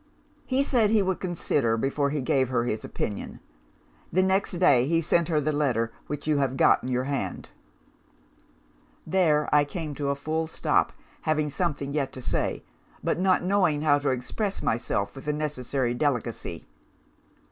He said he would consider, before he gave her his opinion. The next day, he sent her the letter which you have got in your hand.' "There, I came to a full stop; having something yet to say, but not knowing how to express myself with the necessary delicacy.